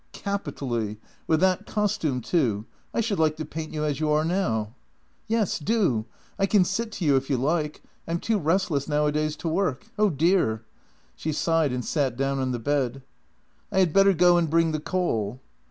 "" Capitally! With that costume, too. I should like to paint you as you are now." "Yes, do. I can sit to you if you like — I'm too restless nowadays to work. Oh dear! " She sighed and sat down on the bed. " I had better go and bring the coal."